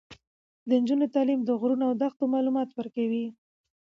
د نجونو تعلیم د غرونو او دښتو معلومات ورکوي.